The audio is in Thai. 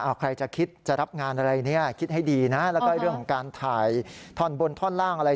ใครจะคิดจะรับงานอะไรเนี่ยคิดให้ดีนะแล้วก็เรื่องของการถ่ายท่อนบนท่อนล่างอะไร